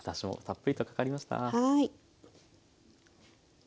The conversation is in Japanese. はい。